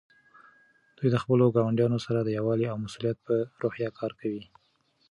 دوی د خپلو ګاونډیانو سره د یووالي او مسؤلیت په روحیه کار کوي.